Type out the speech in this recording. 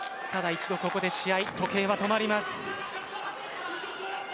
一度ここで試合の時計は止まります。